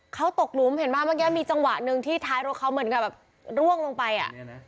เขาตกหลุมเห็นป่ะเมื่อกี้มีจังหวะหนึ่งที่ท้ายรถเขาเหมือนกับแบบร่วงลงไปอ่ะ